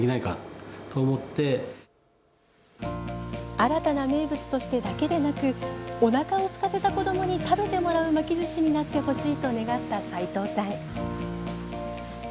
新たな名物としてだけでなくおなかをすかせた子どもに食べてもらう巻きずしになってほしいと願った齋藤さん。